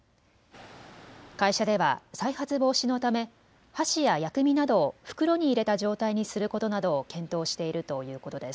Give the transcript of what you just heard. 会社では再発防止のため箸や薬味などを袋に入れた状態にすることなどを検討しているということです。